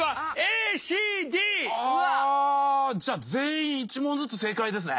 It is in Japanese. あじゃあ全員１問ずつ正解ですね。